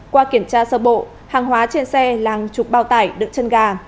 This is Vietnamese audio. qua kiểm tra sơ bộ hàng hóa trên xe làng trục bao tải đựng chân gà